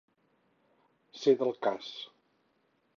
Ser del cas.